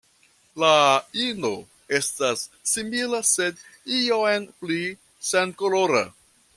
La ino estas simila sed iom pli senkolora.